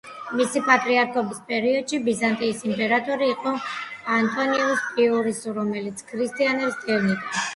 მისი პატრიარქობის პერიოდში ბიზანტიის იმპერატორი იყო ანტონინუს პიუსი, რომელიც ქრისტიანებს დევნიდა.